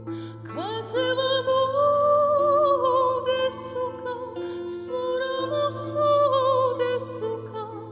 「風はどうですか空もそうですか」